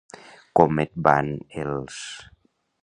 Com et van, els...?